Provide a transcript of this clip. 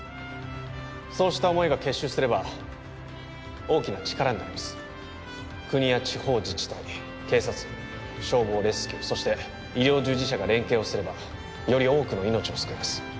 そうした思いが結集すれば大きな力になります国や地方自治体警察消防レスキューそして医療従事者が連携をすればより多くの命を救えます